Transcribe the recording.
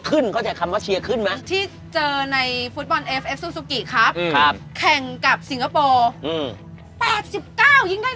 ก่อนที่จะแข่งกับสิงคโปรเนี่ย